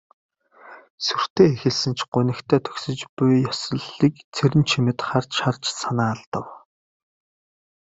Сүртэй эхэлсэн ч гунигтай төгсөж буй их ёслолыг Цэрэнчимэд харж харж санаа алдав.